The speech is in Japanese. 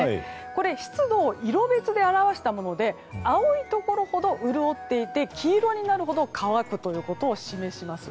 これ、湿度を色別で表したもので青いところほど潤っていて黄色になるほど乾くということを示します。